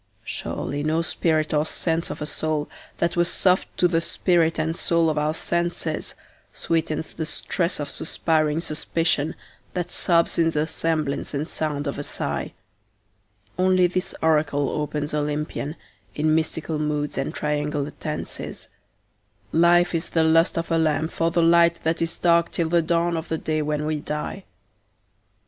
Surely no spirit or sense of a soul that was soft to the spirit and soul of our senses Sweetens the stress of suspiring suspicion that sobs in the semblance and sound of a sigh; Only this oracle opens Olympian, in mystical moods and triangular tenses "Life is the lust of a lamp for the light that is dark till the dawn of the day when we die."